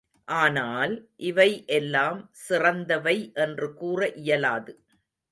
ஆனால், இவை எல்லாம் சிறந்தவை என்று கூற இயலாது.